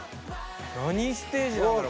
なにステージだろ？